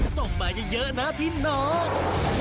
ส่งมาเยอะนะพี่น้อง